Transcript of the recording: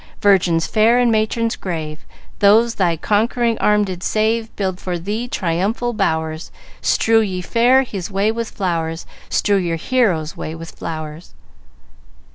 "Virgins fair and matrons grave, Those thy conquering arm did save, Build for thee triumphal bowers; Strew, ye fair, his way with flowers, Strew your hero's way with flowers."